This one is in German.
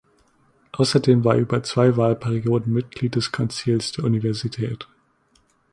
Außerdem war er über zwei Wahlperioden Mitglied des Konzils der Universität.